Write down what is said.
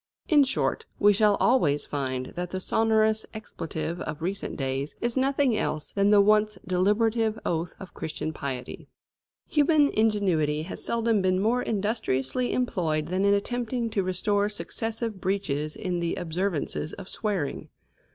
In short, we shall always find that the sonorous expletive of recent days is nothing else than the once deliberative oath of Christian piety. Human ingenuity has seldom been more industriously employed than in attempting to restore successive breaches in the observances of swearing.